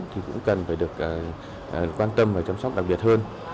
thì cũng cần phải được quan tâm và chăm sóc đặc biệt hơn